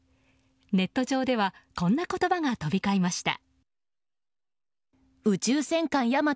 ネット上ではこんな言葉が飛び交いました。